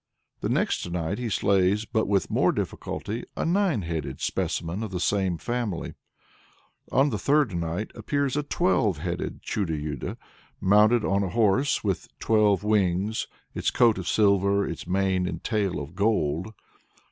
The next night he slays, but with more difficulty, a nine headed specimen of the same family. On the third night appears "a twelve headed Chudo Yudo," mounted on a horse "with twelve wings, its coat of silver, its mane and tail of gold."